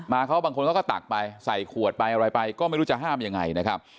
เขาบางคนเขาก็ตักไปใส่ขวดไปอะไรไปก็ไม่รู้จะห้ามยังไงนะครับ